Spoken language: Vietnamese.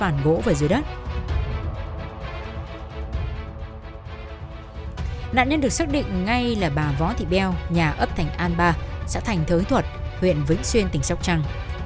nạn nhân được xác định ngay là bà võ thị beo nhà ấp thành an ba xã thành thới thuật huyện vĩnh xuyên tỉnh sóc trăng